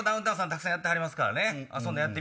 たくさんやってはりますからね。